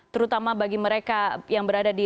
terutama bagi mereka yang berada di